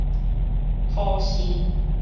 土生